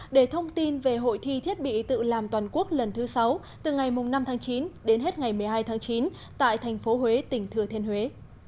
để thông tin về hội thi thiết bị tự làm toàn quốc lần thứ sáu từ ngày năm tháng chín đến hết ngày một mươi hai tháng chín tại thành phố huế tỉnh thừa thiên huế